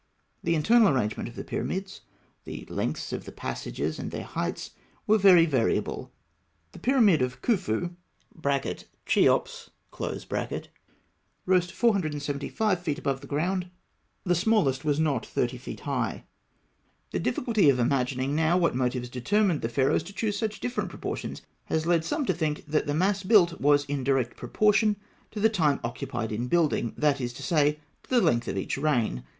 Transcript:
The internal arrangement of the pyramids, the lengths of the passages and their heights, were very variable; the pyramid of Khûfû (Cheops) rose to 475 feet above the ground, the smallest was not 30 feet high. The difficulty of imagining now what motives determined the Pharaohs to choose such different proportions has led some to think that the mass built was in direct proportion to the time occupied in building; that is to say, to the length of each reign.